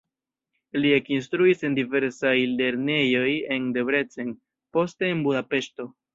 Li ekinstruis en diversaj lernejoj en Debrecen, poste en Budapeŝto.